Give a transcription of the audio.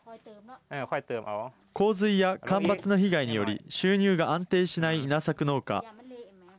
洪水や干ばつの被害により収入が安定しない稲作農家。